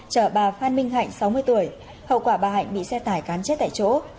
chở bà phan minh hạnh sáu mươi tuổi hậu quả bà hạnh bị xe tải cán chết tại chỗ